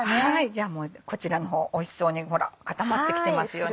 じゃあもうこちらの方おいしそうに固まってきてますよね。